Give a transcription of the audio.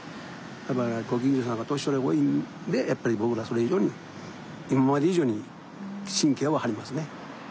やっぱご近所さんが年寄りが多いんでやっぱり僕らそれ以上に今まで以上に神経は張りますね。